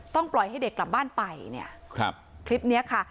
ปล่อยให้เด็กกลับบ้านไปเนี่ยครับคลิปเนี้ยค่ะ